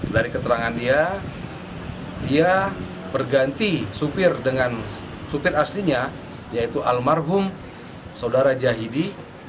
dari keterangan dia ia berganti supir dengan supir aslinya yaitu almarhum saudara jahidi